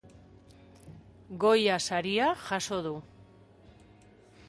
Goya saria jaso du.